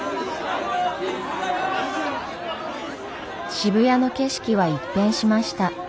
渋谷の景色は一変しました。